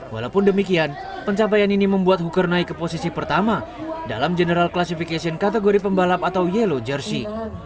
walaupun demikian pencapaian ini membuat hooker naik ke posisi pertama dalam general classification kategori pembalap atau yellow jersey